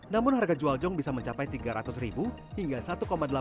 namun harga jual jong bisa mencapai tiga ratus ribu hingga satu delapan juta rupiah per perahu